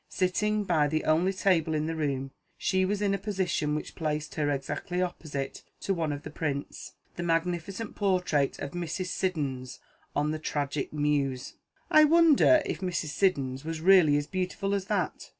Sitting by the only table in the room, she was in a position which placed her exactly opposite to one of the prints the magnificent portrait of Mrs. Siddons as The Tragic Muse. "I wonder if Mrs. Siddons was really as beautiful as that?"